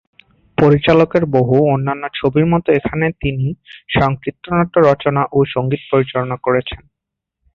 পরিচালকের বহু অন্যান্য ছবির মতো এখানেও তিনি স্বয়ং চিত্রনাট্য রচনা ও সঙ্গীত পরিচালনা করেছেন।